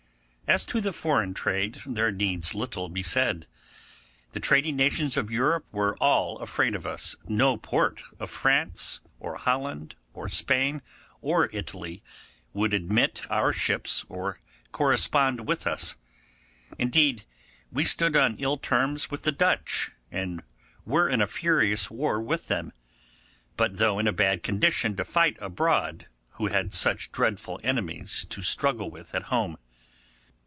As to foreign trade, there needs little to be said. The trading nations of Europe were all afraid of us; no port of France, or Holland, or Spain, or Italy would admit our ships or correspond with us; indeed we stood on ill terms with the Dutch, and were in a furious war with them, but though in a bad condition to fight abroad, who had such dreadful enemies to struggle with at home.